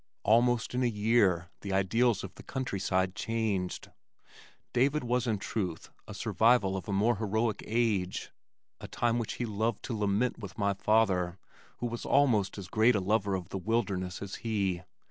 Almost in a year the ideals of the country side changed. David was in truth a survival of a more heroic age, a time which he loved to lament with my father who was almost as great a lover of the wilderness as he.